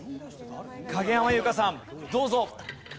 影山優佳さんどうぞ。